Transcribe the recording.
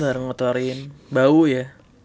betul ngotorin bau ya